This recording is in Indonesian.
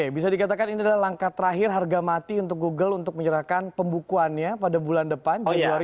oke bisa dikatakan ini adalah langkah terakhir harga mati untuk google untuk menyerahkan pembukuannya pada bulan depan januari dua ribu tujuh belas